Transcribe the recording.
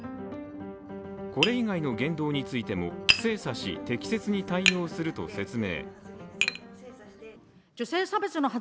これ以外の言動についても精査し適切に対応すると説明。